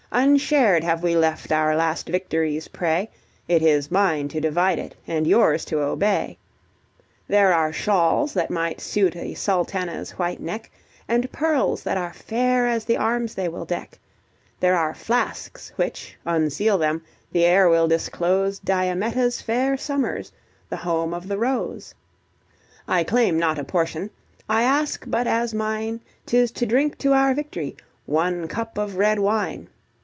Unshared have we left our last victory's prey; It is mine to divide it, and yours to obey: There are shawls that might suit a sultana's white neck, And pearls that are fair as the arms they will deck; There are flasks which, unseal them, the air will disclose Diametta's fair summers, the home of the rose. I claim not a portion: I ask but as mine 'Tis to drink to our victory one cup of red wine.